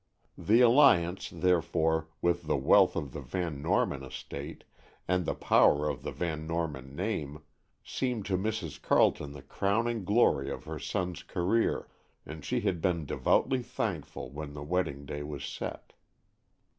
The alliance, therefore, with the wealth of the Van Norman estate, and the power of the Van Norman name, seemed to Mrs. Carleton the crowning glory of her son's career, and she had been devoutly thankful when the wedding day was set.